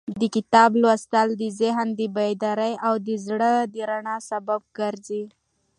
د کتاب لوستل د ذهن د بیدارۍ او د زړه د رڼا سبب ګرځي.